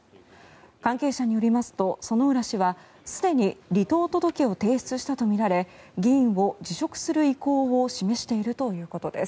関係者によりますと薗浦氏はすでに離党届を提出したとみられ議員を辞職する意向を示しているということです。